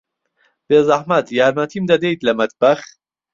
بێزەحمەت، یارمەتیم دەدەیت لە مەتبەخ؟